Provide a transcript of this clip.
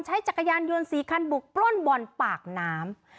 จักรยานยนต์๔คันบุกปล้นบ่อนปากน้ำ